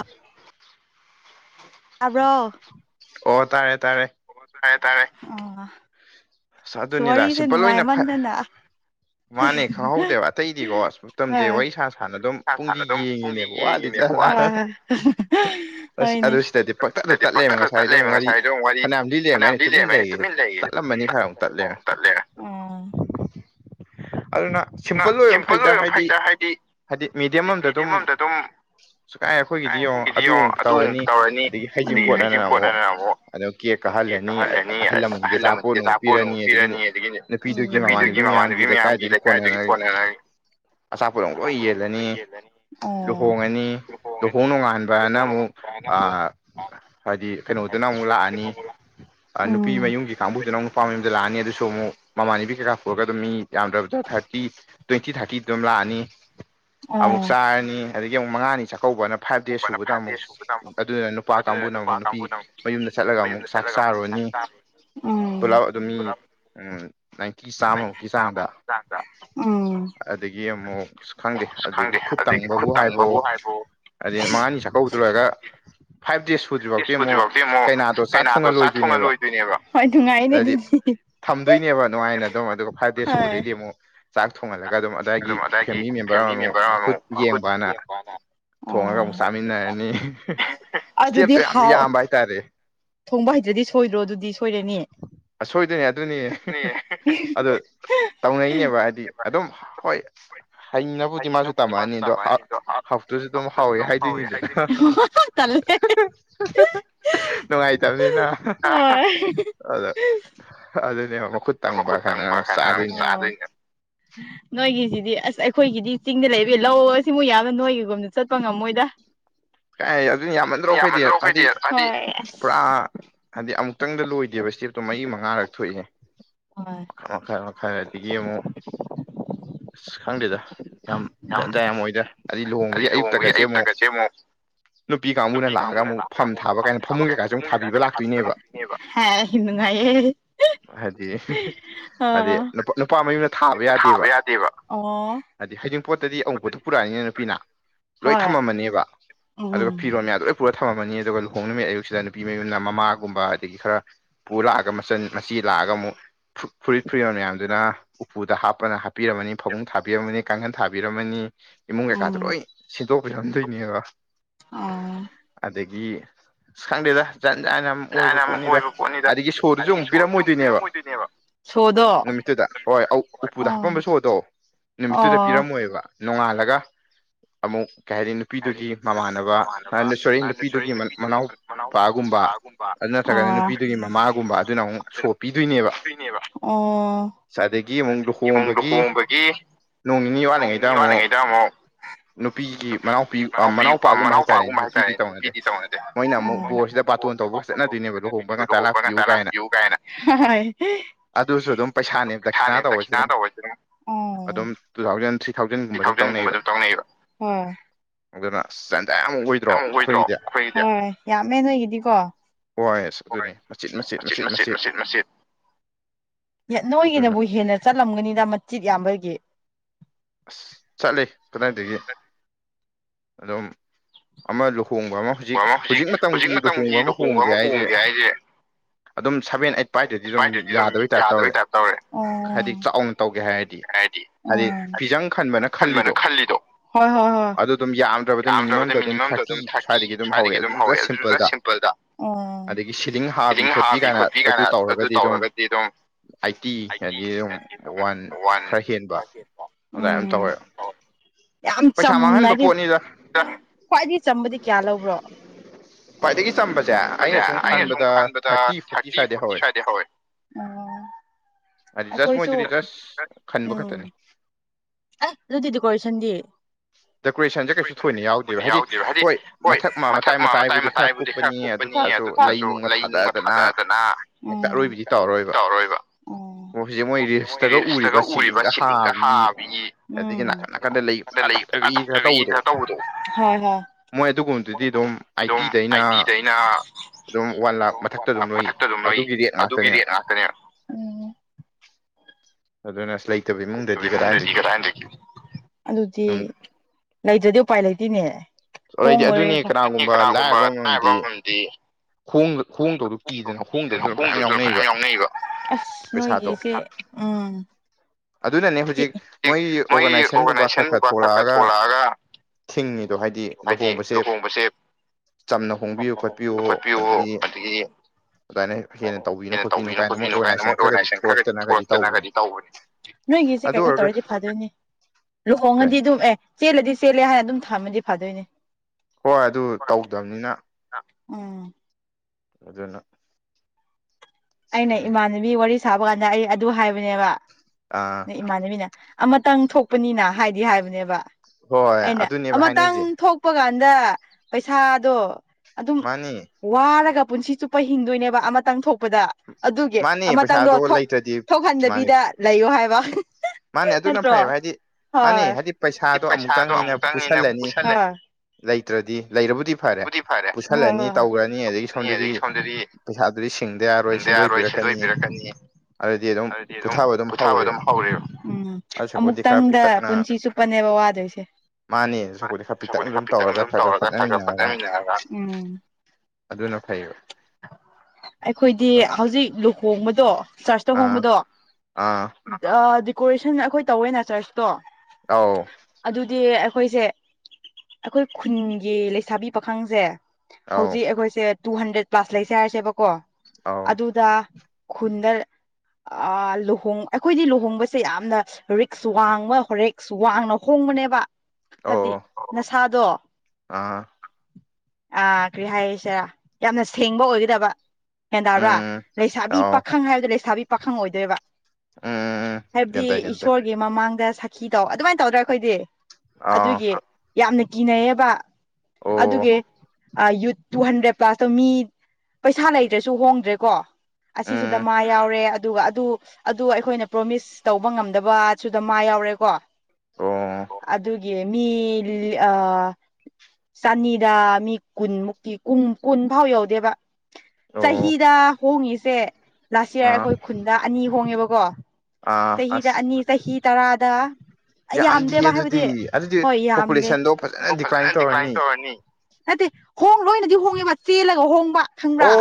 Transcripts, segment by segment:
[unintelligible] ꯇꯕ꯭ꯔꯣ ꯑꯣ ꯇꯥꯔꯦ ꯇꯥꯔꯦ ꯑꯣ ꯇꯥꯔꯦ ꯇꯥꯔꯦ ꯎꯝ ꯑꯁ ꯑꯗꯨꯅꯤꯗ ꯁꯤꯝꯄꯜ ꯑꯣꯏꯅ ꯐꯩ ꯃꯥꯅꯦ ꯈꯪꯍꯧꯗꯦꯕ ꯑꯇꯩꯗꯤꯀꯣ ꯃꯇꯝꯁꯦ ꯋꯥꯔꯤ ꯁꯥꯅ ꯁꯥꯅ ꯑꯗꯨꯝ ꯄꯨꯡꯁꯤ ꯌꯦꯡꯉꯤꯅꯦꯕ ꯋꯥꯠꯂꯤꯗ ꯑ ꯑ ꯑꯗꯨ ꯁꯤꯗꯗꯤ ꯄꯪꯇꯠꯇ ꯇꯠ ꯂꯩꯔꯝꯃꯦ ꯉꯁꯥꯏ ꯉꯁꯥꯏꯗꯣꯃꯨꯛ ꯋꯥꯔꯤ ꯐꯥꯅꯌꯥꯝ ꯂꯤ ꯂꯩꯔꯝꯃꯦ ꯑꯩꯅ ꯇꯨꯃꯤꯟꯅ ꯂꯩꯌꯦ ꯇꯠꯂꯝꯃꯅꯤ ꯈꯔ ꯇꯠꯂꯦ ꯑꯗꯨꯅ ꯁꯤꯝꯄꯜ ꯑꯣꯏꯕ ꯐꯩꯗ ꯍꯥꯏꯗꯤ ꯍꯥꯏꯗꯤ ꯃꯦꯗꯤꯌꯝ ꯑꯝꯗ ꯑꯗꯨꯝ ꯀꯥꯏ ꯑꯩꯈꯣꯏꯒꯤꯗꯤꯡꯉ ꯑꯗꯨ ꯑꯃꯨ ꯇꯧꯔꯅꯤ ꯑꯗꯒꯤ ꯍꯩꯁꯤꯡ ꯄꯣꯠ ꯍꯥꯏꯅꯅ ꯑꯃꯨꯛ ꯀꯍꯜꯂꯅꯤ ꯑꯍꯂ ꯃꯟꯖꯤꯗ ꯀꯣꯅꯨꯡꯛ ꯄꯤꯔꯅꯤ ꯑꯗꯒꯤꯗꯤ ꯅꯨꯄꯤꯗꯨꯒꯤ ꯃꯃꯥꯟꯅꯨꯄꯤ ꯃꯌꯥꯝꯒꯤ ꯂꯩꯀꯥꯏꯗꯨꯒꯤ ꯀꯣꯟꯅꯔꯅꯤ ꯑꯆꯥꯄꯣꯠꯣ ꯑꯃꯨꯛ ꯂꯣꯏ ꯌꯦꯜꯂꯅꯤ ꯂꯨꯍꯣꯡꯉꯅꯤ ꯂꯨꯍꯣꯡ ꯅꯣꯉꯥꯟꯕꯅ ꯑꯃꯨꯛ ꯍꯥꯏꯗꯤ ꯀꯩꯅꯣꯗꯨꯅ ꯑꯃꯨꯛ ꯂꯥꯛꯑꯅꯤ ꯅꯨꯄꯤ ꯃꯌꯨꯝꯒꯤ ꯀꯥꯡꯕꯨꯁꯤꯅ ꯅꯨꯄꯥ ꯃꯌꯨꯝꯗ ꯂꯥꯛꯑꯅꯤ ꯑꯗꯨꯁꯨ ꯑꯃꯨꯛ ꯃꯃꯥꯟꯅꯕꯤ ꯀꯩꯀꯥ ꯄꯨꯔꯒ ꯑꯗꯨꯝ ꯃꯤ ꯌꯥꯝꯗ꯭ꯔꯕꯗ ꯊꯥꯔꯇꯤ ꯇ꯭ꯋꯦꯟꯇꯤ ꯊꯥꯔꯇꯤ ꯑꯗꯨꯝ ꯂꯥꯛꯑꯅꯤ ꯑꯃꯨꯛ ꯆꯥꯔꯅꯤ ꯑꯗꯒꯤ ꯑꯃꯨꯛ ꯃꯉꯥꯅꯤ ꯆꯥꯛꯀꯧꯕꯅ ꯐꯥꯏꯚ ꯗꯦꯖ ꯁꯨꯕꯗ ꯑꯃꯨꯛ ꯑꯗꯨꯗꯨꯅ ꯅꯨꯄꯥ ꯀꯥꯡꯕꯨꯅ ꯑꯃꯨꯛ ꯅꯨꯄꯤ ꯃꯌꯨꯝꯗ ꯆꯠꯂꯒ ꯑꯃꯨꯛ ꯆꯥꯛ ꯆꯥꯔꯨꯔꯅꯤ ꯇꯔꯦ ꯄꯨꯂꯥꯎ ꯑꯗꯨꯝ ꯃꯤ ꯎꯝ ꯅꯥꯏꯟꯇꯤ ꯆꯥꯝꯃꯃꯨꯛꯀꯤ ꯆꯥꯡꯗ ꯑꯗꯒꯤ ꯑꯃꯨꯛ ꯈꯪꯗꯦ ꯑꯗꯨꯗꯒꯤ ꯈꯨꯠ ꯇꯪꯕꯕꯨ ꯍꯥꯏꯕꯣ ꯑꯗꯩ ꯃꯉꯥꯅꯤ ꯆꯥꯛꯀꯧꯕ ꯑꯗꯨ ꯂꯣꯏꯔꯒ ꯐꯥꯏꯚ ꯗꯦꯖ ꯁꯨꯗ꯭ꯔꯤ ꯐꯥꯎꯗꯤꯤ ꯑꯃꯨꯛ ꯀꯩꯅꯥꯗꯣ ꯆꯥꯛ ꯊꯣꯡꯉ ꯂꯣꯏꯗꯣꯏꯅꯦꯕ ꯍꯣꯏ ꯅꯨꯡꯉꯥꯏ ꯑꯗꯗꯤ ꯊꯝꯗꯣꯏꯅꯦꯕ ꯅꯨꯡꯉꯥꯏꯅ ꯑꯗꯨꯝ ꯑꯗꯨꯒ ꯐꯥꯏꯚ ꯗꯦꯖ ꯁꯨꯕꯗꯩꯗꯤ ꯑꯃꯨꯛ ꯆꯥꯛ ꯊꯣꯡꯍꯜꯂꯒ ꯑꯗꯨꯝ ꯑꯏꯒꯤ ꯐꯦꯃꯤꯂꯤ ꯃꯦꯝꯕꯔ ꯑꯃꯃꯨꯛ ꯃꯈꯨꯠ ꯌꯦꯡꯕꯅ ꯊꯣꯡꯉꯒ ꯑꯃꯨꯛ ꯆꯥꯃꯤꯟꯅꯔꯅꯤ ꯑꯗꯨ ꯑꯗꯨꯗꯤ ꯍꯥꯎ ꯇꯥꯔꯦ ꯊꯣꯡꯕ ꯍꯗ꯭ꯔꯗꯤ ꯁꯣꯏꯗ꯭ꯔꯣ ꯑꯗꯨꯗꯤ ꯁꯣꯏꯔꯅꯤ ꯑꯁꯣꯏꯗꯅꯦ ꯑꯗꯨꯅꯤ ꯑꯗꯨ ꯇꯧꯅꯩꯅꯦꯕ ꯍꯥꯏꯗꯤ ꯑꯗꯨꯝ ꯍꯣꯏ ꯍ ꯍꯗꯤ ꯃꯥꯁꯨ ꯇꯥꯃꯅꯤꯗꯣꯞꯇꯁꯨ ꯑꯗꯨꯝ ꯍꯥꯎꯋꯦ ꯍꯥꯏ ꯇꯜꯦ ꯑꯣ ꯑꯗ ꯑꯗꯨꯅꯦꯕ ꯃꯈꯨꯠ ꯇꯪꯕ ꯀꯥꯏꯅ ꯑꯃꯨꯛ ꯆꯥꯗꯣꯏꯅꯦ ꯎꯝ ꯅꯣꯏꯒꯤꯁꯤꯗꯤ ꯑꯁ ꯑꯩꯈꯣꯏꯒꯤꯗꯤ ꯆꯤꯡꯗ ꯂꯩꯕ ꯌꯥ ꯂꯧ ꯁꯤꯃꯨ ꯌꯥꯕ ꯅꯣꯏꯒꯤꯒꯨꯝꯕꯗ ꯆꯠꯄ ꯉꯝꯃꯣꯏꯗ [inaudible] ꯀ ꯑꯗꯨꯅ ꯌꯥꯝꯃꯟꯗ꯭ꯔꯣ ꯑꯩꯈꯩꯗꯤ ꯍꯥꯏꯗꯤ ꯄꯨꯔꯥ ꯍꯥꯏꯗꯤ ꯑꯃꯨꯛꯇꯪꯗ ꯂꯣꯏꯗꯦꯕ ꯁ꯭ꯇꯦꯞꯇꯣ ꯃꯔꯤ ꯃꯉꯥꯔꯛ ꯊꯣꯛꯏꯑ ꯑꯣ ꯃꯈꯥꯏ ꯃꯈꯥꯏ ꯑꯗꯒꯤ ꯑꯃꯨꯛ ꯑꯁ ꯈꯪꯗꯦꯗ ꯌꯥꯝꯖꯟꯗꯥ ꯌꯥꯝ ꯑꯣꯏꯗ ꯑꯗꯨ ꯂꯨꯍꯣꯡꯕꯒꯤ ꯑꯌꯨꯛꯇꯀꯁꯦ ꯑꯃꯨꯛ ꯅꯨꯄꯤ ꯀꯥꯡꯕꯨꯅ ꯂꯥꯛꯑꯒ ꯑꯃꯨꯛ ꯐꯝ ꯊꯥꯕ ꯀꯥꯏꯅ ꯐꯃꯨꯡ ꯀꯩꯀꯥꯥꯁ ꯑꯃꯨꯛ ꯊꯥꯕꯤꯕ ꯂꯥꯛꯇꯣꯏꯅꯦꯕ ꯍ ꯍꯤꯟ ꯉꯌꯦ ꯍꯥꯏꯗꯤ ꯍꯥꯏꯗꯤ ꯅꯨꯄꯥ ꯃꯌꯨꯝꯗ ꯊꯥꯕ ꯌꯥꯗꯦꯕ ꯍꯥꯏꯗꯤ ꯍꯗꯤꯡ ꯄꯣꯠꯇꯗꯤ ꯑꯉꯨꯛꯧꯕꯗꯨꯣ ꯄꯨꯔꯛꯑꯏꯅꯤꯅꯦ ꯅꯨꯄꯤꯅ ꯂꯣꯏ ꯊꯝꯃꯝꯃꯅꯦꯕ ꯑꯗꯨꯒ ꯐꯤꯔꯣꯜ ꯃꯌꯥꯝꯗ ꯂꯣꯏ ꯄꯨꯔ ꯊꯝꯃꯝꯃꯅꯤ ꯑꯗꯨꯒ ꯂꯨꯍꯣꯡ ꯅꯨꯃꯤꯠ ꯑꯌꯨꯛꯁꯤꯗ ꯅꯨꯄꯤ ꯃꯌꯨꯝꯅ ꯃꯃꯥꯒꯨꯝꯕ ꯑꯗꯒꯤ ꯈꯔ ꯄꯨ ꯂꯥꯛꯑꯒ ꯃꯆꯟ ꯃꯆꯤ ꯂꯥꯛꯑꯒ ꯑꯃꯨꯛ ꯐꯨꯏꯠ ꯐꯨꯕꯔ ꯃꯌꯥꯝꯗꯨꯅ ꯎꯄꯨꯗ ꯍꯥꯞꯄꯅ ꯍꯥꯞꯄꯤꯔꯝꯃꯅꯤ ꯐꯃꯨꯡ ꯊꯥꯕꯤꯔꯝꯃꯅꯤ ꯀꯥꯡꯈꯟ ꯊꯥꯕꯤꯔꯝꯃꯅꯤ ꯏꯃꯨꯡ ꯀꯩꯀꯥꯗꯨ ꯂꯣꯏ ꯁꯤꯗꯣꯛꯄ ꯌꯥꯔꯝꯗꯣꯏꯅꯦꯕ ꯑꯗꯒꯤ ꯈꯪꯗꯦꯗ ꯖꯟ ꯖꯅ ꯑꯃ ꯑꯣꯏꯕ ꯄꯣꯠꯅꯤꯗ ꯑꯗꯒꯤ ꯁꯣꯗꯨꯁꯨ ꯑꯃꯨꯛ ꯄꯤꯔꯝꯃꯣꯏꯗꯣꯏꯅꯦꯕ ꯅꯨꯃꯤꯠꯇꯨꯗ ꯍꯣꯏ ꯎꯄꯨꯗ ꯍꯥꯄꯝꯕ ꯁꯣꯗꯣ ꯅꯨꯃꯤꯠꯇꯨꯗ ꯄꯤꯔꯝꯃꯣꯏꯕ ꯅꯣꯡꯉꯥꯜꯂꯒ ꯑꯃꯨꯛ ꯀꯩ ꯍꯥꯏꯅꯤ ꯅꯨꯄꯤꯗꯨꯒꯤ ꯃꯃꯥꯟꯅꯕ ꯍꯥꯏ ꯁꯣꯔꯦꯟ ꯅꯨꯄꯤꯗꯨꯒꯤ ꯃꯅꯥꯎꯄꯥꯒꯨꯝꯕ ꯑꯗꯨꯅ ꯅꯠꯇ꯭ꯔꯒꯅ ꯅꯨꯄꯤꯗꯨꯒꯤ ꯃꯃꯥꯒꯨꯝꯕ ꯑꯗꯨꯅ ꯑꯃꯨꯛ ꯁꯣꯄꯤꯗꯣꯏꯅꯦꯕ ꯑꯣ ꯆꯗꯒꯤ ꯏꯃꯨꯨꯡꯗꯨ ꯍꯣꯡꯕꯒꯤ ꯅꯣꯡ ꯅꯤꯅꯤ ꯋꯥꯠꯂꯤꯉꯩꯗ ꯑꯃꯨꯛ ꯅꯨꯄꯤꯒꯤ ꯃꯅꯥꯎ ꯃ ꯄꯤ ꯅꯨꯄꯥꯒꯨꯝꯕ ꯍꯥꯏꯇꯥꯔꯦ ꯅꯨꯄꯤꯗꯤ ꯇꯧꯅꯗꯦ ꯃꯣꯏꯅ ꯑꯃꯨꯛ ꯕꯣꯔꯁꯤꯗ ꯄꯥꯇꯣꯟ ꯇꯧꯕꯒ ꯆꯠꯅꯣꯏꯅꯦ ꯂꯨꯍꯣꯡꯕ ꯗ ꯍꯣꯡꯕ ꯉꯇ ꯂꯥꯛꯄꯤꯌꯨ ꯀꯥꯏꯅ ꯑꯗꯨꯁꯨ ꯑꯗꯨꯝ ꯄꯩꯁꯥꯅꯦꯕ ꯗꯈꯤꯅꯥ ꯇꯧꯕꯁꯨ ꯑꯗꯨꯝ ꯑꯗꯨꯝ ꯇꯨ ꯊꯥꯎꯖꯟ ꯊ꯭ꯔꯤ ꯊꯥꯎꯖꯟꯒꯨꯝꯕ ꯑꯗꯨꯝ ꯇꯧꯅꯩꯑꯕ ꯇ ꯎꯝ ꯑꯗꯨꯅ ꯑꯣꯏꯗ꯭ꯔꯣ ꯌꯥꯝꯃꯦꯦꯟ ꯅꯣꯏꯒꯤꯗꯤꯀꯣ ꯍꯣꯏ ꯃꯆꯤꯠ ꯃꯆꯦꯠ ꯃꯆꯦꯠ ꯃꯆꯦꯠ ꯅꯣꯏꯒꯤꯅꯕꯨ ꯍꯦꯟꯅ ꯆꯠꯂꯝꯒꯅꯤꯗ ꯃꯆꯦꯠ ꯌꯥꯝꯕꯒꯤ ꯑꯁ ꯆꯠꯂꯤ ꯀꯗꯥꯏꯗꯒꯤ ꯑꯗꯨꯝ ꯑꯃ ꯂꯨꯍꯣꯡꯕ ꯑꯃ ꯍꯧꯖꯤꯛ ꯍꯧꯖꯤꯛ ꯃꯇꯝꯒꯤ ꯂꯨꯍꯣꯡꯕ ꯑꯃꯨꯍꯣꯡꯗꯦ ꯍꯥꯏꯁꯦ ꯑꯗꯨꯝ ꯁꯚꯦꯟ ꯑꯩꯠ ꯄꯥꯏꯗꯗꯤ ꯑꯗꯨꯝ ꯌꯥꯗꯕꯩ ꯇꯥꯏꯞ ꯇꯧꯔꯦ ꯍꯥꯏꯗꯤ ꯆꯥꯎꯅ ꯇꯧꯒꯦ ꯍꯥꯏꯔꯗꯤ ꯍꯥꯏꯗꯤ ꯎ ꯈꯟꯕꯅ ꯈꯜꯂꯤꯗꯣ ꯍꯣꯏ ꯍꯣꯏ ꯍꯣꯏ ꯨꯝ ꯌꯥ ꯃꯤꯅꯤꯃꯝꯗ ꯑꯗꯨꯝ ꯊꯥꯔꯇꯤ ꯑꯗꯨꯝ ꯍꯧꯋ ꯑꯗꯨꯁꯨ ꯖ ꯁꯤꯝꯄꯜꯗ ꯑꯒꯤ ꯁꯤꯂꯤꯡ ꯍꯥꯕꯤ ꯈꯣꯠꯄꯤ ꯀꯥꯏꯅ ꯑꯗꯨ ꯇꯧꯔꯒꯗꯤ ꯑꯗꯨꯝ ꯑꯥꯏꯠꯇꯤ ꯍꯥꯏꯗꯤ ꯑꯗꯨꯝ ꯋꯥꯟ ꯈꯔ ꯍꯦꯟꯕ ꯑꯗꯨꯃꯥꯏꯅ ꯇꯧꯋꯦ ꯌꯥꯝ ꯆꯝꯅ ꯍꯥꯏꯗꯤ ꯈ꯭ꯋꯥꯏꯗꯒꯤ ꯆꯝꯕꯗꯤ ꯀꯌꯥ ꯂꯧꯕ꯭ꯔꯣ ꯈꯁꯦ ꯑꯩꯅ ꯁꯨꯝ ꯈꯟꯕꯗ ꯊꯥꯔꯇꯤ ꯐꯣꯔꯇꯤ ꯁ꯭ꯋꯥꯏꯗꯩ ꯍꯧꯋꯦ ꯎꯝ ꯑꯩꯈꯣꯏꯁꯨ ꯎꯝ ꯑꯦ ꯑꯗꯨꯗꯤꯗꯤ ꯀꯁꯗꯤ ꯑꯩꯅ ꯌꯥꯎꯗꯦꯕ ꯍꯥꯏꯗꯤ ꯍꯣꯏ ꯃꯊꯛ ꯃꯇꯥꯏ ꯋꯥꯥꯏꯕꯨꯗꯤ ꯈꯔ ꯀꯨꯞꯄꯅꯤ ꯑꯗꯨꯇꯥꯥꯔꯁꯨ ꯂꯩ ꯅꯨꯡꯒ ꯊꯥꯗꯑꯗꯅ ꯇꯧꯔꯔꯣꯏꯕ ꯎ ꯃꯣꯏ ꯃꯣꯏꯁꯇꯒ ꯎꯔꯤꯕ ꯁꯤꯂꯤꯡꯒ ꯍꯥ ꯎ ꯇꯗ ꯃꯣꯏ ꯑꯗꯨꯒꯕꯗꯤ ꯑꯗꯨꯝ ꯑꯥꯏꯇꯤꯗ ꯑꯩꯅ ꯑꯗꯨꯝ ꯋꯥꯟ ꯂꯥ ꯃꯊꯛꯇ ꯑꯗꯨꯝ ꯂꯣꯏ ꯑꯗꯨꯒꯤ ꯔꯦꯠ ꯉꯥꯛꯇꯅꯦꯕ ꯑꯗꯨꯅ ꯑꯁ ꯂꯩꯇꯕ ꯏꯃꯨꯡꯗꯗꯤ ꯀꯗꯥꯏꯗꯒ ꯑꯗꯨꯗꯤ ꯂꯩꯇ꯭ꯔꯗꯤ ꯎꯄꯥꯏ ꯂꯩꯇꯣꯏꯅꯦ ꯍꯣꯡꯦ ꯀꯅꯥꯒꯨꯝꯕꯗꯤ ꯗꯅ ꯍꯣꯡꯗꯁꯨ ꯈ ꯌꯥꯝ ꯌꯥꯎꯅꯩꯕ ꯑꯁ ꯅꯣꯏꯒꯤꯁꯦ ꯎꯝ ꯑꯗꯨꯅꯅꯦ ꯍꯧꯖꯤꯛ ꯃꯣꯏꯒꯤ ꯑꯣꯔꯒꯅꯥꯏꯖꯦꯁꯟꯒꯨꯝꯕ ꯈꯔ ꯈꯔ ꯊꯣꯛꯂꯛꯑꯒ ꯊꯤꯡꯉꯤꯗꯣ ꯍꯥꯏꯗꯤ ꯍꯥꯏꯗꯤ ꯂꯨꯍꯣꯡꯕꯁꯦ ꯂꯨ ꯍꯣꯡꯕꯤꯌꯨ ꯈꯣꯠꯄꯤꯌꯨ ꯑꯗꯒꯤ ꯐꯔꯦ ꯍꯦꯟꯅ ꯇꯧꯕꯤꯅꯣ ꯈꯣꯠꯄꯤꯅꯣ ꯀꯥꯏꯅ ꯃꯣꯏ ꯑꯣꯔꯒꯅꯥꯏꯖꯦꯁꯟ ꯈꯔꯒꯗꯤ ꯊꯣꯛꯂꯛꯇꯅꯒꯗꯤ ꯇꯧꯕꯅꯦ ꯅꯣꯏꯒꯤꯁꯦ ꯀꯩꯅꯣ ꯇꯧꯔꯗꯤ ꯐꯥꯗꯣꯏꯅꯦ ꯂꯨꯍꯣꯡꯉꯗꯤ ꯑꯗꯨꯝ ꯑꯦ ꯆꯦꯜꯂꯗꯤ ꯆꯦꯜꯂꯦ ꯍꯥꯏꯅ ꯑꯗꯨꯝ ꯊꯝꯃꯗꯤ ꯐꯗꯣꯏꯅꯦ ꯍꯣꯏ ꯑꯗꯨ ꯇꯧꯗꯕꯅꯤꯅ ꯎꯝ ꯑꯗꯨꯅ ꯑꯩꯅ ꯏꯃꯥꯟꯅꯕꯤ ꯋꯥꯔꯤ ꯁꯥꯕ ꯀꯥꯟꯗ ꯑꯩ ꯑꯗꯨ ꯍꯥꯏꯕꯅꯦꯕ ꯑꯥ ꯅ ꯏꯃꯥꯟꯅꯕꯤꯅ ꯑꯃꯇꯪ ꯊꯣꯛꯄꯅꯤꯅ ꯍꯥꯏꯗꯤ ꯍꯥꯏꯕꯅꯦꯕ ꯑꯩꯅ ꯃꯇꯥꯡ ꯊꯣꯛ ꯀꯨꯞꯄ ꯀꯥꯟꯗ ꯄꯩꯁꯥꯗꯣ ꯑꯗꯨꯝ ꯋꯥꯔꯒ ꯄꯨꯟꯁꯤ ꯆꯨꯞꯄ ꯍꯤꯡꯗꯣꯏꯅꯦꯕ ꯑꯃꯇꯪ ꯊꯣꯛꯄꯗ ꯑꯗꯨꯒꯤ ꯑꯃꯇꯪꯗꯣ ꯊꯣꯛꯍꯟꯗꯕꯤꯗ ꯂꯩꯌꯣ ꯍꯥꯏꯕ ꯃꯥꯅꯦ ꯑꯗꯨꯅ ꯐꯩꯕ ꯍꯥꯏꯗꯤ ꯃꯥꯅꯤ ꯍꯥꯏꯕꯗꯤ ꯄꯩꯁꯥꯗꯣ ꯑꯃꯨꯛꯇꯪꯅꯤꯅ ꯄꯨꯁꯜꯂꯅꯤ ꯂꯩꯇ꯭ꯔꯗꯤ ꯂꯩꯔꯕꯨꯗꯤ ꯐꯔꯦ ꯄꯨꯁꯜꯂꯅꯤ ꯇꯧꯈ꯭ꯔꯅꯤ ꯑꯗꯒꯤ ꯁꯣꯝꯗꯗꯤ ꯄꯩꯁꯥꯗꯨꯗꯤ ꯁꯤꯡꯅꯤ ꯗꯤ ꯌꯥꯔꯣꯏ ꯁꯤꯟꯗꯣꯏ ꯄꯤꯔꯛꯀꯅꯤ ꯑꯗꯨꯗꯤ ꯑꯗꯨꯝ ꯄꯣꯊꯥ ꯑꯗꯨꯝ ꯍꯧꯔ ꯎꯝ ꯑꯃꯨꯛꯇꯪꯗ ꯄꯨꯟꯁꯤꯁꯨ ꯅꯦꯕ ꯋꯥꯗꯣꯏꯁꯦ ꯁꯒꯨ ꯍꯥꯏꯐꯠꯇꯪ ꯑꯗꯨꯝ ꯇꯧꯔꯒ ꯊꯛꯒ ꯈꯣꯅꯃꯤꯟꯅꯔꯒ ꯑꯗꯨꯅ ꯐꯩꯌꯦꯕ ꯑꯩꯈꯣꯏꯗꯤ ꯍꯧꯖꯤꯛ ꯂꯨꯍꯣꯡꯕꯗꯣ ꯆꯔꯇ ꯍꯣꯡꯕꯗꯣ ꯗꯦꯀꯣꯔꯦꯁꯟ ꯑꯩꯈꯣꯏ ꯇꯧꯋꯦꯅ ꯆꯔꯆꯇꯣ ꯑꯥꯎ ꯑꯗꯨꯗꯤ ꯑꯩꯈꯣꯏꯁꯦ ꯑꯩꯈꯣꯏ ꯈꯨꯟꯒꯤ ꯂꯩꯁꯥꯕꯤ ꯄꯥꯈꯪꯁꯦ ꯍꯧꯖꯤꯛ ꯑꯩꯈꯣꯏꯁꯦ ꯇꯨ ꯍꯟꯗ꯭ꯔꯦꯠ ꯄ꯭ꯂꯥꯁ ꯂꯩꯁꯦ ꯍꯥꯏꯔꯁꯦꯕꯀꯣ ꯑꯗꯨꯗ ꯈꯨꯟꯗ ꯂꯨꯍꯣꯡ ꯑꯩꯈꯣꯏꯗꯤ ꯂꯨꯍꯣꯡꯕꯁꯦ ꯌꯥꯝꯅ ꯔꯤꯛꯁ ꯋꯥꯡꯕ ꯔꯤꯛꯁ ꯋꯥꯡꯅ ꯍꯣꯡꯕꯅꯦꯕ ꯍꯥꯏꯕꯗꯤ ꯅꯁꯥꯗꯣ ꯑꯥ ꯀꯔꯤ ꯍꯥꯏꯔꯤꯁꯤꯔꯥ ꯌꯥꯝꯅ ꯁꯦꯡꯕ ꯑꯣꯏꯒꯗꯕ ꯍꯦꯟꯗꯥꯕ꯭ꯔꯥ ꯂꯩꯁꯥꯕꯤ ꯄꯥꯈꯪ ꯍꯥꯏꯕꯗꯣ ꯂꯩꯁꯥꯕꯤ ꯄꯥꯈꯪ ꯑꯣꯏꯗꯣꯏꯕ ꯍꯥꯏꯕꯗꯤ ꯏꯁꯣꯔꯒꯤ ꯃꯃꯥꯡꯗ ꯁꯈꯤ ꯇꯧ ꯑꯗꯨꯃꯥꯏꯅ ꯇꯧꯗ꯭ꯔꯥ ꯑꯩꯈꯣꯏꯗꯤ ꯑꯗꯨꯒꯤ ꯌꯥꯝꯅ ꯀꯤꯅꯩꯌꯦꯕ ꯑꯗꯨꯒꯤ ꯑ ꯌꯨꯠ ꯇꯨ ꯍꯟꯗ꯭ꯔꯦꯠ ꯄ꯭ꯂꯥꯁ ꯃꯤ ꯄꯩꯁꯥ ꯂꯩꯇ꯭ꯔꯦꯁꯨ ꯍꯣꯡꯗ꯭ꯔꯦꯀꯣ ꯑꯁꯤꯁꯨꯗ ꯃꯥ ꯌꯥꯎꯔꯦ ꯑꯗꯨꯒ ꯑꯗꯨ ꯑꯗꯨ ꯑꯩꯈꯣꯏꯅ ꯄ꯭ꯔꯣꯃꯤꯁ ꯇꯧꯕ ꯉꯝꯗꯕꯁꯨꯗ ꯃꯥ ꯌꯥꯎꯔꯦꯀꯣ ꯑꯗꯨꯒꯤ ꯃꯤ ꯑ ꯆꯥꯅꯤꯗ ꯃꯤ ꯀꯨꯟꯃꯨꯛꯇꯤ ꯀꯨꯟ ꯀꯨꯟ ꯐꯥꯎ ꯌꯧꯗꯦ ꯗꯦꯕ ꯆꯍꯤꯗ ꯍꯣꯡꯉꯤꯁꯦ ꯂꯥꯁ ꯌꯌꯥꯔ ꯑꯩꯈꯣꯏ ꯈꯨꯟꯗ ꯑꯅꯤ ꯍꯣꯡꯉꯦꯕꯀꯣ ꯆꯍꯤꯗ ꯑꯅꯤ ꯆꯍꯤ ꯇꯔꯥꯗ ꯌꯥꯝꯗꯦꯕ ꯍꯥꯏꯕꯗꯤ ꯍꯣꯏ ꯌꯥꯝꯗꯦ ꯐꯖꯗꯤ ꯀ꯭ꯂꯥꯏꯟ ꯇꯧꯔꯅꯤ ꯅꯠꯇꯦ ꯍꯣꯡ ꯂꯣꯏꯅꯗꯤ ꯍꯣꯡꯉꯦꯕ ꯆꯦꯜꯂ ꯇꯣꯍꯣꯡꯕ ꯈꯪꯕ꯭ꯔꯥ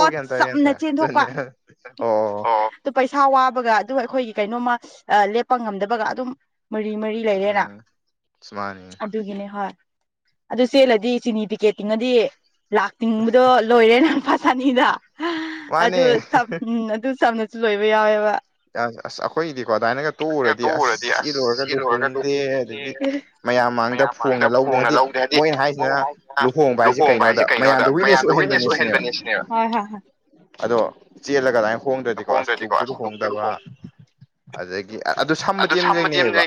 ꯑ ꯆꯝꯅ ꯆꯦꯟꯊꯣꯛꯄ ꯑꯗꯨ ꯄꯩꯁꯥ ꯋꯥꯕꯒ ꯑꯗꯨ ꯑꯩꯈꯣꯏꯒꯤ ꯀꯩꯅꯣꯃ ꯂꯦꯞꯄ ꯉꯝꯗꯕꯒ ꯑꯗꯨꯝ ꯃꯔꯤ ꯃꯔꯤ ꯎꯝ ꯃꯅꯤ ꯑꯗꯨꯒꯤꯅꯦ ꯍꯣꯏ ꯑꯗꯨ ꯆꯦꯜꯂꯗꯤ ꯆꯤꯅꯤ ꯄꯤꯀꯦꯠꯇꯤꯡꯉꯗꯤ ꯇꯤꯡꯕꯗꯣ ꯂꯣꯏꯔꯦ ꯅꯪ ꯐꯁꯅꯤꯗ ꯑꯗꯨꯝ ꯑꯗꯨ ꯆꯝꯅ ꯁꯤ ꯂꯣꯏꯕ ꯌꯥꯎꯋꯦꯕ ꯑ ꯑꯁ ꯑꯩꯈꯣꯏꯒꯤꯗꯤꯀꯣ ꯑꯗꯨꯃꯥꯏꯅꯒ ꯇꯣꯛꯎꯔꯗꯤ ꯑꯁ ꯆꯔꯨꯔꯒ ꯂꯨꯍꯣꯡꯗꯦ ꯑꯗꯒꯤ ꯃꯌꯥꯝ ꯃꯥꯡꯗ ꯐꯣꯡꯅ ꯂꯧꯗꯦ ꯍꯥꯏꯕꯗꯤ ꯃꯣꯏ ꯍꯥꯏꯁꯤꯅ ꯂꯨꯍꯣꯡꯕ ꯍꯥꯏꯁꯦ ꯀꯩꯅꯣꯗ ꯃꯌꯥꯝꯗꯨ ꯃꯌꯥꯝꯗ ꯋꯤꯛꯅꯦꯁꯁꯨ ꯑꯣꯏꯍꯟꯕꯅꯦ ꯁꯤꯅꯦꯕ ꯑꯗꯣ ꯆꯦꯜꯂ ꯀ ꯑꯗꯨꯃꯥꯏ ꯍꯣꯡꯗ꯭ꯔꯗꯤꯀꯣ ꯑꯁ ꯂꯨꯁꯨ ꯂꯨ ꯍꯣꯡꯗꯕ ꯑꯗꯨꯗꯒꯤ ꯑꯗꯨ ꯁꯝꯕꯗꯤ ꯑ ꯂꯩꯦꯡꯅꯩꯑꯕ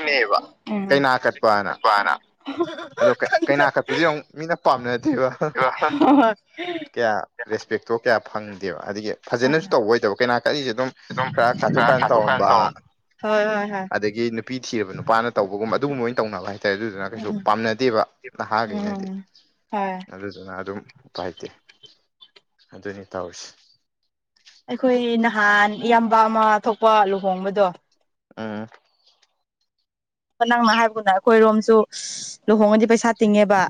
ꯀꯩꯅꯥ ꯀꯠꯄꯅ ꯑꯗꯣ ꯀꯩꯅꯥ ꯀꯠꯄꯁꯦ ꯃꯨꯛ ꯃꯤꯅ ꯄꯥꯝꯅꯗꯦꯕ ꯏ ꯀꯌꯥ ꯔꯦꯁꯄꯦꯛꯇꯣ ꯀꯌꯥ ꯐꯪꯗꯦꯕ ꯑꯗꯒꯤ ꯐꯖꯅꯁꯨ ꯇꯧꯕ ꯑꯣꯏꯗꯕ ꯀꯩꯅꯥ ꯀꯛꯂꯤꯁꯦ ꯑꯗꯨꯝ ꯆꯥꯊꯣꯛ ꯀꯥꯏꯅ ꯇꯧꯔꯝꯕ ꯍꯣꯏ ꯍꯣꯏ ꯍꯣꯏ ꯑꯗꯒꯤ ꯅꯨꯄꯤ ꯊꯤꯔꯕ ꯅꯨꯄꯥꯅ ꯇꯧꯕꯒꯨꯝꯕ ꯑꯗꯨꯒꯨꯝꯕ ꯑꯣꯏꯅ ꯇꯧꯅꯕ ꯍꯥꯏꯇꯥꯔꯦ ꯑꯗꯨꯗꯨꯅ ꯀꯩꯁꯨ ꯄꯥꯝꯅꯗꯦꯕ ꯍꯥꯏꯦꯅꯗꯤ ꯍꯣꯏ ꯑꯗꯨꯗꯨꯅ ꯑꯗꯨꯝ ꯎꯄꯥꯏꯇꯦ ꯑꯗꯨꯅꯤ ꯇꯧꯔꯤꯁ ꯑꯩꯈꯣꯏ ꯅꯍꯥꯟ ꯏꯌꯥꯝꯕ ꯑꯃ ꯊꯣꯛꯄ ꯂꯨꯍꯣꯡꯕꯗꯣ ꯎꯝ ꯅꯪꯅ ꯍꯥꯏꯕꯅ ꯑꯩꯈꯣꯏꯔꯣꯝꯁꯨ ꯂꯨꯍꯣꯡꯉꯗꯤ ꯄꯩꯁꯥ ꯇꯤꯡꯉꯦꯕ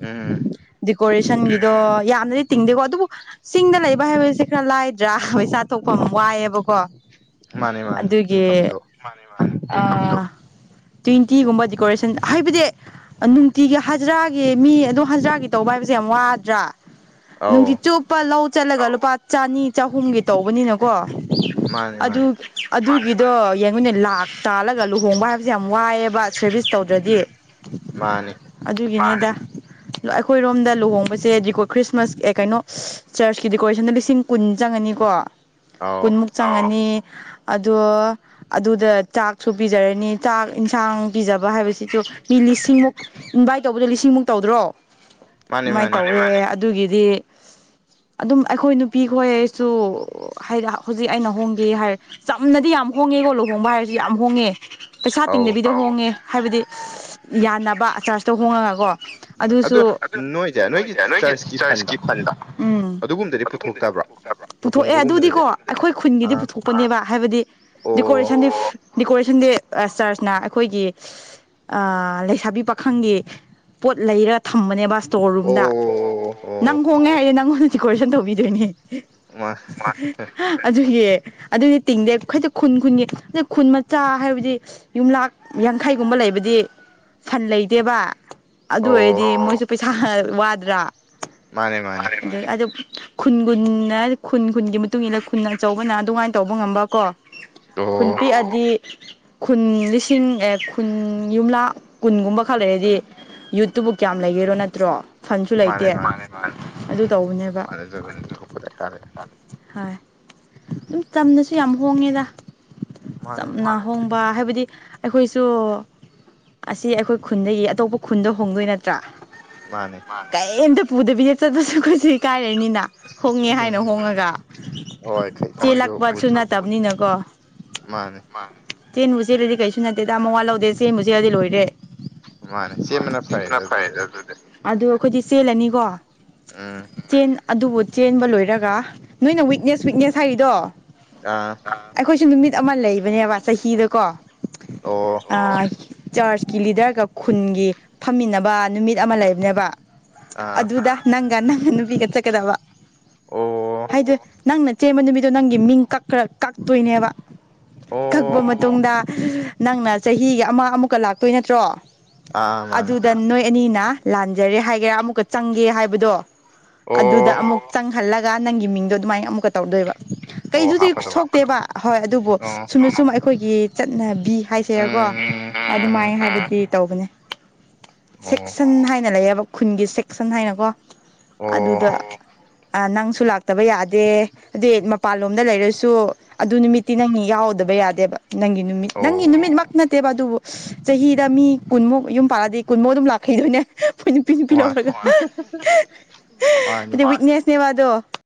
ꯎꯝ ꯗꯦꯀꯣꯔꯦꯁꯟꯒꯤꯗꯣ ꯌꯥꯝꯅꯗꯤ ꯇꯤꯡꯗꯦꯀꯣ ꯑꯗꯨꯕꯨ ꯆꯤꯡꯗ ꯂꯩꯕ ꯍꯥꯏꯕꯁꯦ ꯈꯔ ꯂꯥꯏꯗ꯭ꯔꯥ ꯄꯩꯁꯥ ꯊꯣꯛꯐꯝ ꯋꯥꯏꯑꯦꯕꯀꯣ ꯑꯗꯨꯒꯤ ꯃꯥꯅꯤ ꯃꯥꯅꯤ ꯑ ꯇ꯭ꯋꯦꯟꯇꯤꯒꯨꯝꯕ ꯗꯦꯀꯣꯔꯦꯁꯟ ꯍꯥꯏꯕꯗꯤ ꯅꯨꯡꯇꯤꯒꯤ ꯍꯖꯤꯔꯥꯒꯤ ꯃꯤ ꯑꯗꯨ ꯍꯖꯤꯔꯥꯒꯤ ꯇꯧꯕ ꯍꯥꯏꯕꯁꯦ ꯌꯥꯝ ꯋꯥꯗ꯭ꯔꯥ ꯅꯨꯡꯇꯤ ꯆꯨꯞꯄ ꯂꯧ ꯆꯠꯂꯒ ꯂꯨꯄꯥ ꯆꯥꯅꯤ ꯆꯍꯨꯝꯒꯤ ꯇꯧꯕꯅꯤꯅꯀꯣ ꯑꯗꯨ ꯑꯗꯨꯒꯤꯗꯣ ꯌꯦꯡꯉꯨꯅꯦ ꯂꯥꯛ ꯇꯥꯜꯂꯒ ꯂꯨꯍꯣꯡꯕ ꯍꯥꯏ ꯁꯤꯁꯦ ꯌꯥꯝ ꯋꯥꯏꯑꯦꯕ ꯁꯔꯚꯤꯁ ꯇꯧꯗ꯭ꯔꯗꯤ ꯑꯗꯨꯒꯤꯅꯤꯗ ꯑꯩꯈꯣꯏꯔꯣꯝꯗ ꯂꯨꯍꯣꯡꯕꯁꯦ ꯗꯤꯀꯣ ꯈ꯭ꯔꯤꯁꯃꯥꯁ ꯀꯩꯅꯣ ꯆꯔꯁꯀꯤ ꯗꯦꯀꯣꯔꯦꯁꯟꯗ ꯂꯤꯁꯤꯡ ꯀꯨꯟ ꯆꯪꯉꯅꯤꯀꯣ ꯀꯨꯟꯃꯨꯛ ꯆꯪꯉꯅꯤ ꯑꯗꯣ ꯑꯗꯨꯗ ꯆꯥꯛꯁꯨ ꯄꯤꯖꯔꯅꯤ ꯆꯥꯛ ꯏꯟꯁꯥꯡ ꯄꯤꯖꯕ ꯍꯥꯏꯕꯁꯤꯁꯨ ꯃꯤ ꯂꯤꯁꯤꯡꯃꯨꯛ ꯏꯟꯚꯥꯏꯠ ꯇꯧꯕꯗꯣ ꯂꯤꯁꯤꯡꯃꯨꯛ ꯇꯧꯗ꯭ꯔꯣ ꯑꯗꯨꯃꯥꯏꯅ ꯇꯧꯋꯦ ꯑꯗꯨꯒꯤꯗꯤ ꯑꯗꯨꯝ ꯑꯩꯈꯣꯏ ꯅꯨꯄꯤ ꯈꯣꯏ ꯑꯩꯁꯨ ꯍꯥꯏꯗꯤ ꯍꯧꯖꯤꯛ ꯑꯩꯅ ꯍꯣꯡꯒꯦ ꯍꯥꯏꯔꯦ ꯆꯝꯅꯗꯤ ꯌꯥꯝ ꯍꯣꯡꯉꯦꯀꯣ ꯂꯨꯍꯣꯡꯕ ꯍꯥꯏꯔꯁꯨ ꯌꯥꯝ ꯍꯣꯡꯉꯦ ꯄꯩꯁꯥ ꯇꯤꯡꯗꯕꯤꯗꯣ ꯍꯣꯡꯉꯦ ꯍꯥꯏꯕꯗꯤ ꯌꯥꯟꯅꯕ ꯑ ꯆꯥꯔꯖꯇ ꯍꯣꯡꯉꯒꯀꯣ ꯑꯗꯨꯁꯨ ꯅꯣꯏꯗꯤ ꯅꯣꯏꯒꯤ ꯆꯔꯆꯀꯤ ꯐꯟꯗꯣ ꯎꯝ ꯑꯗꯨꯒꯨꯝꯕꯗꯗꯤ ꯄꯨꯊꯣꯛ ꯄꯨꯊꯣꯛꯑꯦ ꯑꯗꯨꯗꯤꯀꯣ ꯑꯩꯈꯣꯏ ꯈꯨꯟꯒꯤꯗꯤ ꯄꯨꯊꯣꯛꯄꯅꯦꯕ ꯍꯥꯏꯕꯗꯤ ꯗꯦꯀꯣꯔꯦꯁꯟꯗꯤ ꯗꯦꯀꯣꯔꯦꯁꯟꯗꯤ ꯆꯔꯁꯅ ꯑꯩꯈꯣꯏꯒꯤ ꯑ ꯂꯩꯁꯥꯕꯤ ꯄꯥꯈꯪꯒꯤ ꯄꯣꯠ ꯂꯩꯔ ꯊꯝꯕꯅꯦꯕ ꯑ ꯏꯁꯇꯣꯔ ꯔꯨꯝꯗ ꯅꯪ ꯍꯣꯡꯉꯦ ꯍꯥꯏꯗꯤ ꯅꯪꯉꯣꯟꯗ ꯗꯤꯀꯣꯔꯦꯁꯟ ꯇꯧꯕꯤꯗꯣꯏꯅꯦ ꯃꯥ [unintelligible] ꯑꯗꯨꯒꯤ ꯑꯗꯨꯗꯤ ꯇꯤꯡꯗꯦ ꯈꯣꯏꯗꯤ ꯈꯨꯟ ꯈꯨꯟꯒꯤ ꯑꯗꯨ ꯈꯨꯟ ꯃꯆꯥ ꯍꯥꯏꯕꯗꯤ ꯌꯨꯝꯂꯛ ꯌꯥꯡꯈꯩꯒꯨꯝꯕ ꯂꯩꯕꯗꯤ ꯐꯟ ꯂꯩꯇꯦꯕ ꯑꯗꯨ ꯑꯣꯏꯔꯗꯤ ꯃꯣꯏꯁꯨ ꯄꯩꯁꯥ ꯋꯥꯗ꯭ꯔꯥ ꯃꯥꯅꯦ ꯃꯥꯅꯦ ꯑꯗꯩ ꯑꯗꯨ ꯈꯨꯟ ꯈꯨꯟꯅ ꯈꯨꯟ ꯈꯨꯟꯒꯤ ꯃꯇꯨꯡ ꯏꯟꯅ ꯈꯨꯟ ꯑꯆꯧꯕꯅ ꯑꯗꯨꯃꯥꯏꯅ ꯇꯧꯕ ꯉꯝꯕ ꯀꯣ ꯈꯨꯟ ꯄꯤꯛꯑꯗꯤ ꯈꯨꯟ ꯂꯤꯁꯤꯡ ꯑ ꯈꯨꯟ ꯌꯨꯝꯅꯥꯛ ꯀꯨꯟꯒꯨꯝꯕ ꯈꯛ ꯂꯩꯔꯗꯤ ꯌꯨꯠꯇꯨꯕꯨ ꯀꯌꯥꯝ ꯂꯩꯒꯦꯔꯣ ꯅꯠꯇ꯭ꯔꯣ ꯐꯟꯁꯨ ꯂꯩꯇꯦ ꯑꯗꯨ ꯇꯧꯕꯅꯦꯕ ꯍꯣꯏ ꯑꯗꯨꯝ ꯆꯝꯅꯁꯨ ꯌꯥꯝ ꯍꯣꯡꯉꯦꯗ ꯆꯝꯅ ꯍꯣꯡ ꯍꯥꯏꯕꯗꯤ ꯑꯩꯈꯣꯏꯁꯨ ꯑꯁꯤ ꯑꯩꯈꯣꯏ ꯈꯨꯟꯗꯒꯤ ꯑꯇꯣꯞꯄ ꯈꯨꯟꯗ ꯍꯣꯡꯗꯣꯏ ꯅꯠꯇ꯭ꯔꯥ ꯃꯥꯅꯤ ꯀꯩꯝꯇ ꯄꯨꯗꯕꯤꯗ ꯆꯠꯇ꯭ꯔꯁꯨ ꯑꯩꯈꯣꯏꯁꯨ ꯏꯀꯥꯏꯔꯅꯤꯅ ꯍꯣꯡꯉꯦ ꯍꯥꯏꯅ ꯍꯣꯡꯉꯒ ꯆꯦꯜꯂꯛꯄꯁꯨ ꯅꯠꯇꯕꯅꯤꯅꯀꯣ ꯃꯥꯅꯦ ꯃꯥꯅꯦ ꯆꯦꯟꯕꯨ ꯆꯦꯟꯔꯗꯤ ꯀꯩꯁꯨ ꯅꯠꯇꯦꯗ ꯃꯋꯥ ꯂꯧꯗꯦ ꯆꯦꯟꯕꯨ ꯆꯦꯟꯔꯗꯤ ꯂꯣꯏꯔꯦ ꯃꯥꯅꯦ ꯆꯦꯟꯕꯅ ꯐꯥꯏꯗ ꯑꯗꯨꯗꯤ ꯑꯗꯨ ꯑꯩꯈꯣꯏꯗꯤ ꯆꯦꯜꯂꯅꯤꯀꯣ ꯆꯦꯟ ꯑꯗꯨꯕꯨ ꯆꯦꯟꯕ ꯂꯣꯏꯔꯒ ꯅꯣꯏꯅ ꯋꯤꯛꯅꯦꯁ ꯋꯤꯛꯅꯦꯁ ꯍꯥꯏꯔꯤꯗꯣ ꯑꯥ ꯑꯩꯈꯣꯏꯁꯨ ꯅꯨꯃꯤꯠ ꯑꯃ ꯂꯩꯕꯅꯦꯕ ꯆꯍꯤꯗꯀꯣ ꯑ ꯆꯔꯆꯀꯤ ꯂꯤꯗꯔꯒ ꯈꯨꯟꯒꯤ ꯐꯝꯃꯤꯟꯅꯕ ꯅꯨꯃꯤꯠ ꯑꯃ ꯂꯩꯕꯅꯦꯕ ꯑꯗꯨꯗ ꯅꯪꯒ ꯅꯪꯒ ꯅꯨꯄꯤꯒ ꯆꯠꯀꯗꯕ ꯍꯥꯏꯗꯤ ꯅꯪꯅ ꯆꯦꯟꯕ ꯅꯨꯃꯤꯠꯇꯣ ꯅꯪꯒꯤ ꯃꯤꯡ ꯀꯛ ꯀꯛꯇꯣꯏꯅꯦꯕ ꯀꯛꯄ ꯃꯇꯨꯡꯗ ꯅꯪꯅ ꯆꯍꯤꯒꯤ ꯑꯃ ꯑꯃꯨꯛꯀ ꯂꯥꯛꯇꯣꯏ ꯅꯠꯇ꯭ꯔꯣ ꯑꯗꯨꯗ ꯅꯣꯏ ꯑꯅꯤꯅ ꯂꯥꯟꯖꯔꯦ ꯍꯥꯏꯒꯦꯔꯥ ꯑꯃꯨꯛꯀ ꯆꯪꯒꯦ ꯍꯥꯏꯕꯗꯣ ꯑꯗꯨꯗ ꯑꯃꯨꯛ ꯆꯪꯍꯜꯂꯒ ꯅꯪꯒꯤ ꯃꯤꯡꯗꯣ ꯑꯗꯨꯃꯥꯏꯅ ꯑꯃꯨꯛꯀ ꯇꯧꯗꯣꯏꯕ ꯀꯩꯗꯨꯗꯤ ꯁ ꯊꯣꯛꯇꯦꯕ ꯍꯣꯏ ꯑꯗꯨꯕꯨ ꯁꯨꯝ ꯁꯨꯝ ꯑꯩꯈꯣꯏꯒꯤ ꯆꯠꯅ ꯕꯤ ꯍꯥꯏꯁꯦꯔꯀꯣ ꯑꯗꯨꯃꯥꯏꯅ ꯍꯥꯏꯕꯗꯤ ꯇꯧꯕꯅꯦ ꯁꯦꯛꯁꯟ ꯍꯥꯏꯅ ꯂꯩꯌꯦꯕ ꯈꯨꯟꯒꯤ ꯁꯦꯛꯁꯟ ꯍꯥꯏꯅꯀꯣ ꯑꯗꯨꯗ ꯅꯪꯁꯨ ꯂꯥꯛꯇꯕ ꯌꯥꯗꯦ ꯑꯗꯩ ꯃꯄꯥꯟꯂꯣꯝꯗ ꯂꯩꯔꯁꯨ ꯑꯗꯨ ꯅꯨꯃꯤꯠꯇꯤ ꯅꯪ ꯌꯥꯎꯗ ꯕ ꯌꯥꯗꯦꯕ ꯅꯪꯒꯤ ꯅꯨꯃꯤꯠ ꯅꯪꯒꯤ ꯅꯨꯃꯤꯠꯃꯛ ꯅꯠꯇꯦꯕ ꯑꯗꯨꯕꯨ ꯆꯍꯤꯗ ꯃꯤ ꯀꯨꯟꯃꯨꯛ ꯌꯨꯝ ꯄꯥꯜꯂꯗꯤ ꯀꯨꯟꯃꯨꯛ ꯑꯗꯨꯝ ꯂꯥꯛꯈꯤꯩꯗꯣꯏꯅꯦ ꯄ ꯄꯤ ꯂꯧꯔꯒ ꯍꯥꯏꯗꯤ ꯋꯤꯛꯅꯦꯁꯅꯦꯕ ꯑꯗꯣ